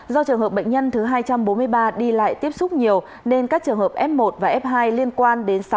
do trường hợp bệnh nhân thứ hai trăm bốn mươi ba đi lại tiếp xúc nhiều nên các trường hợp f một và f hai liên quan đến sáu